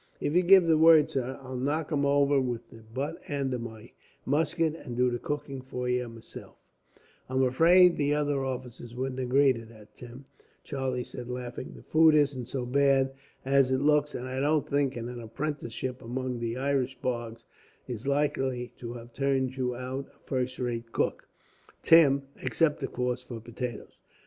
If you give the word, sir, I knock him over with the butt end of my musket, and do the cooking for you, meself." "I'm afraid the other officers wouldn't agree to that, Tim," Charlie said, laughing. "The food isn't so bad as it looks, and I don't think an apprenticeship among the Irish bogs is likely to have turned you out a first rate cook, Tim; except, of course, for potatoes."